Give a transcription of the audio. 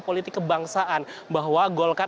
politik kebangsaan bahwa golkar